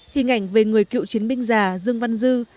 hình ảnh về người cựu chiến binh già dương văn dư